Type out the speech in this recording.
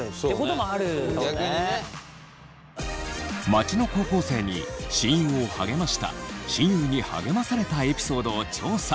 街の高校生に親友を励ました親友に励まされたエピソードを調査。